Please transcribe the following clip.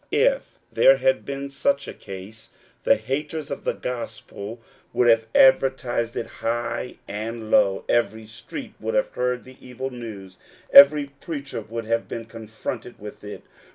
If there had been such a case, the haters of the gospel would have advertised it high and low ; every street would have heard the evil news; every preacher would have been confronted with it.